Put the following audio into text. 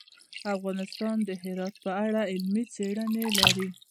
افغانستان د هرات په اړه علمي څېړنې لري.